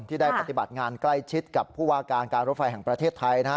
ได้ปฏิบัติงานใกล้ชิดกับผู้ว่าการการรถไฟแห่งประเทศไทยนะฮะ